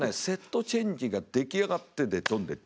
セットチェンジが出来上がってでドン！